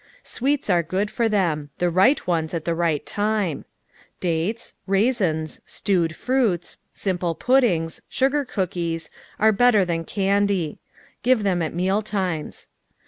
Sweets are good for them ŌĆö the right ones at the right time. Dates, raisins, stewed fruits, simple puddings, sugar cookies, are better than candy. Give them at meal times.